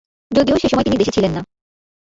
যদিও সেসময় তিনি দেশে ছিলেন না।